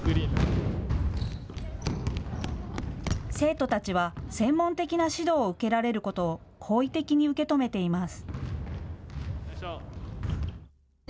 生徒たちは専門的な指導を受けられることを好意的に受け止めています。